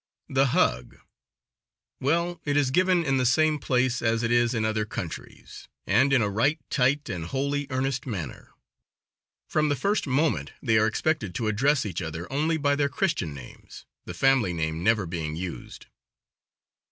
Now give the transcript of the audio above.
The hug well, it is given in the same place as it is in other countries, and in a right tight and wholly earnest manner. From the first moment they are expected to address each other only by their Christian names, the family name never being used.